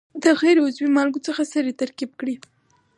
د غیر عضوي مالګو څخه سرې ترکیب کړي.